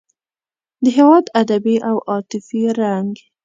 د هېواد ادبي او عاطفي رنګ.